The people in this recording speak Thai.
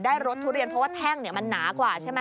รสทุเรียนเพราะว่าแท่งมันหนากว่าใช่ไหม